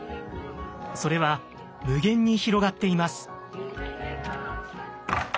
それは無限に広がっています。